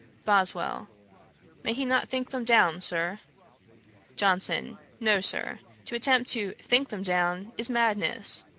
BOSWELL. 'May not he think them down, Sir?' JOHNSON. 'No, Sir. To attempt to think them down is madness.